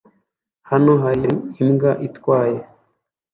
Hano hari imbwa itwaye